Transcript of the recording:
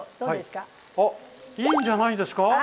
あっいいんじゃないですか。